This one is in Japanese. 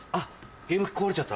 ゲーム機壊れちゃった？